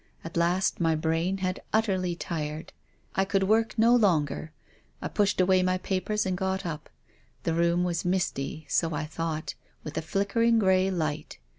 At last my brain had utterly tired. I could work no longer. I pushed away my papers and got up. The room was misty — so I thought — with a flickering grey light.